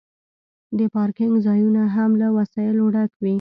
د پارکینګ ځایونه هم له وسایلو ډک وي